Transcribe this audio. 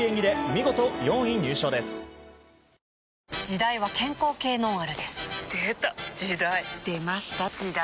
時代は健康系ノンアルですでた！時代！出ました！時代！